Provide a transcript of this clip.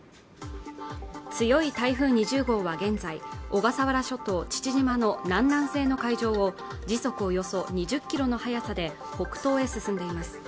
強い台風２０号は現在小笠原諸島父島の南南西の海上を時速およそ２０キロの速さで北東へ進んでいます